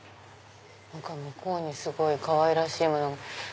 向こうにすごいかわいらしいものが。